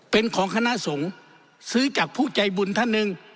เป็นของคณะสงฆ์ซื้อจากผู้ใจบุญท่านหนึ่ง